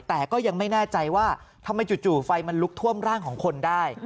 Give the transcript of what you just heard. แต่ก็ยังไม่แน่ใจว่าทำไมจู่ไฟมันลุกท่วมร่างของคนได้